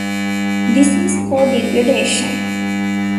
This is core degradation.